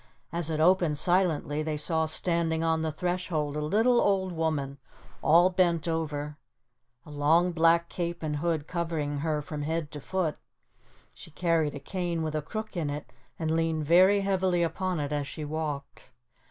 As it opened silently they saw standing on the threshold a little, old woman, all bent over, a long black cape and hood covering her from head to foot. She carried a cane with a crook in it and leaned very heavily upon it as she walked.